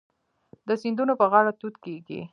د سیندونو په غاړه توت کیږي.